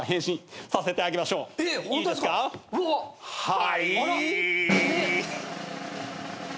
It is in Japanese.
はい。